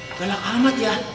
gak ada kalimat ya